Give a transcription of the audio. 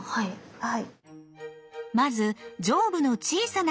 はい。